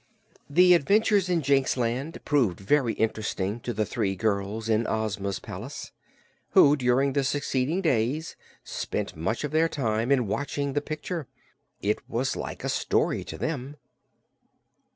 The adventures in Jinxland proved very interesting to the three girls in Ozma's palace, who during the succeeding days spent much of their time in watching the picture. It was like a story to them.